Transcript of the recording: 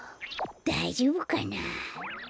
だいじょうぶかな？